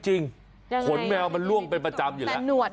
ขนแมวมันล่วงเป็นประจำอยู่แล้ว